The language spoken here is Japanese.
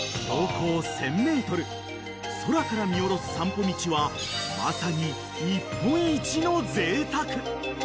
［空から見下ろす散歩道はまさに日本一のぜいたく］